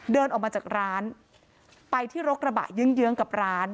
เดินออกมาจากร้านไปที่รถกระบะเยื้องกับร้าน